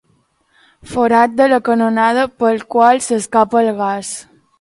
Forat a la canonada pel qual s'escapa el gas.